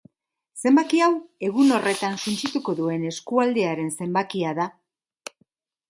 Zenbaki hau egun horretan suntsituko duen eskualdearen zenbakia da.